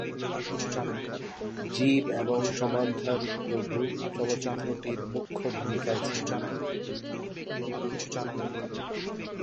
জীব এবং Samantha Ruth Prabhu চলচ্চিত্রটির মুখ্য ভূমিকায় ছিলেন।